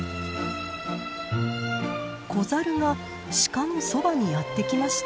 子ザルがシカのそばにやって来ました。